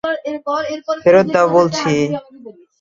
ফেরত দাও বলছি!